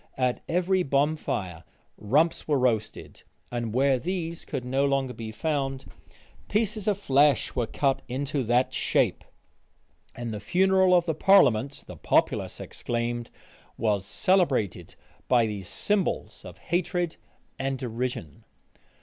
At every bonfire rumps were roasted; and where these could no longer be found, pieces of flesh were cut into that shape; and the funeral of the parliament (the populace exclaimed) was celebrated by these symbols of hatred and derision.